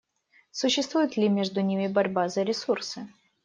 Существует ли между ними борьба за ресурсы?